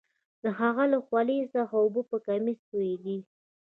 د هغه له خولې څخه اوبه په کمیس تویدې